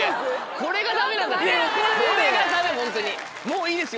これがダメホントに「もういいですよ」